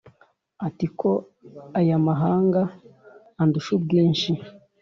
uti ‘ko aya mahanga andusha ubwinshi,